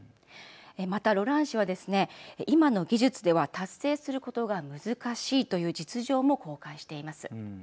また、ロラン市はですね今の技術では達成することが難しいという実情も公開しています。